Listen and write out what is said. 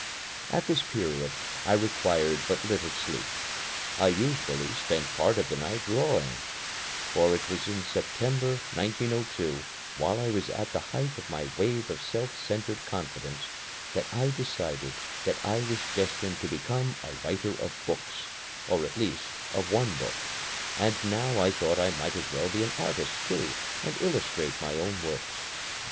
At this period I required but little sleep. I usually spent part of the night drawing; for it was in September, 1902, while I was at the height of my wave of self centred confidence, that I decided that I was destined to become a writer of books or at least of one book; and now I thought I might as well be an artist, too, and illustrate my own works.